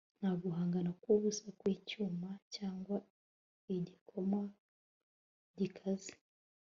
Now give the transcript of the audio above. Nta guhangana kwubusa kwicyuma cyangwa igikoma gikaze